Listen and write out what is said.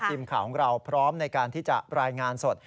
ทีมข่าวของเราพร้อมในการที่จะรายงานสด